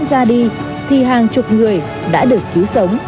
khi cháy xảy ra đi thì hàng chục người đã được cứu sống